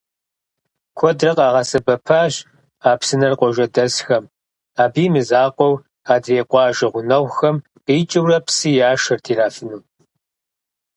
Куэдрэ къагъэсэбэпащ а псынэр къуажэдэсхэм, абы имызакъуэу, адрей къуажэ гъунэгъухэм къикӏыурэ псы яшэрт ирафыну.